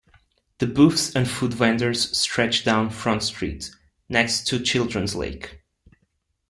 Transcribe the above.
The booths and food vendors stretch down Front Street, next to Children's Lake.